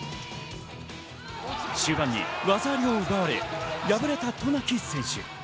終盤に技ありを奪われ、敗れた渡名喜選手。